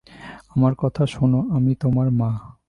আমার কথা শোনো আমি তোমার মা।